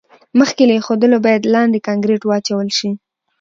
مخکې له ایښودلو باید لاندې کانکریټ واچول شي